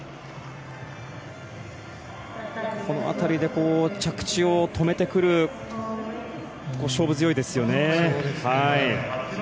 この辺りで着地を止めてくる勝負強いですね。